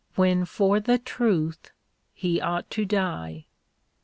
When for the truth he ought to die."